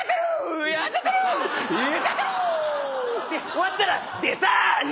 終わったらでさーね！